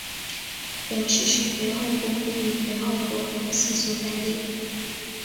本市是肥后国府与肥后国分寺所在地。